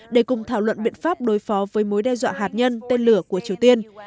để cùng thảo luận biện pháp đối phó với mối đe dọa hạt nhân tên lửa của triều tiên